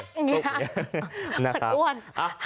แอ๊ะอย่างนี้ค่ะอ้อน